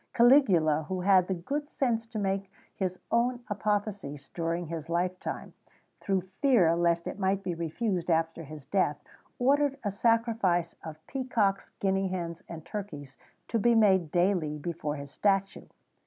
Caligula, who had the good sense to make his own apotheosis during his life time, through fear lest it might be refused after his death, ordered a sacrifice of peacocks, guinea hens, and turkeys to be made daily before his statue.